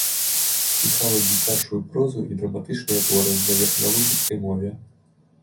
Пісала дзіцячую прозу і драматычныя творы на верхнялужыцкай мове.